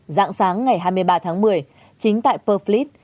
giãng sáng ngày hai mươi ba tháng một mươi chính tại purfleet